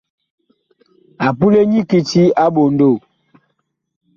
A pule nyi kiti a ɓondoo.